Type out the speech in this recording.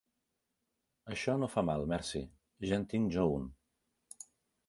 Això no fa mal, merci, ja en tinc jo un.